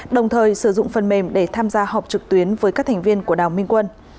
đồng thời sử dụng phần mềm để tham gia họp trực tuyến với các thành viên của đào minh quân